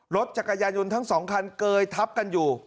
รถจักรยายนต์ทั้งสองคันเกยทับกันอยู่